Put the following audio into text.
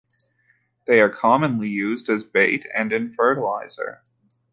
They are commonly used as bait and in fertilizer.